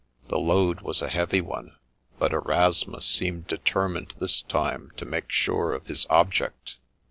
The load was a heavy one ; but Erasmus seemed determined this time to make sure of his object.